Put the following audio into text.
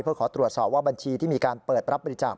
เพื่อขอตรวจสอบว่าบัญชีที่มีการเปิดรับบริจาค